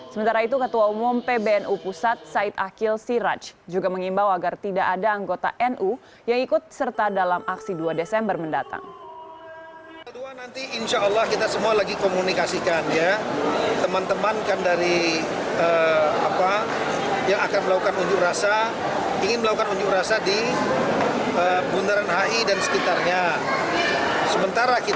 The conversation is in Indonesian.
sementara itu ketua umum pbnu pusat said akil siraj juga mengimbau agar tidak ada anggota nu yang ikut serta dalam aksi dua desember mendatang